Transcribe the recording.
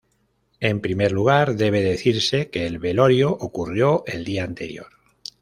En primer lugar, debe decirse que el velorio ocurrió el día anterior.